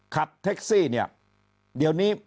ขับแท็กซี่เนี่ยเดี๋ยวนี้